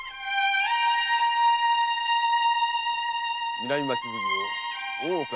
南町奉行・大岡